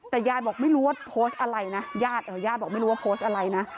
แล้วไม่พอใจแต่ยาดบอกไม่รู้ว่าโพสอะไรนะ